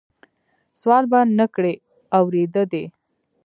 سوال به نه کړې اورېده دي